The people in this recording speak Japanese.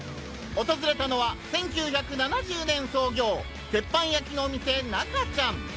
訪れたのは１９７０年創業鉄板焼きのお店『中ちゃん』！